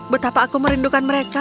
betapa aku merindukan mereka